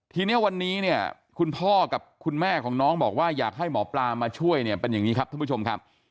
ทีนี้วันนี้เนี่ยคุณพ่อกับคุณแม่ของน้องบอกว่าอยากให้หมอปลามาช่วยเนี่ยเป็นอย่างนี้ครับท่านผู้ชมครับ